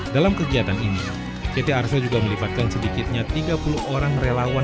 dalam kegiatan ini ct arsa juga melipatkan sedikitnya tiga puluh orang relawan